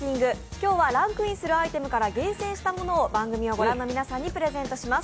今日はランクインするアイテムから厳選したものを番組を御覧の皆さんにプレゼントします。